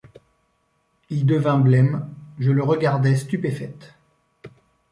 Il devint blême, je le regardai stupéfaite.